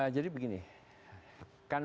jadi begini kan